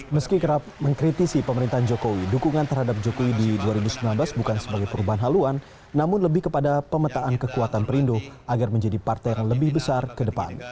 meski kerap mengkritisi pemerintahan jokowi dukungan terhadap jokowi di dua ribu sembilan belas bukan sebagai perubahan haluan namun lebih kepada pemetaan kekuatan perindo agar menjadi partai yang lebih besar ke depan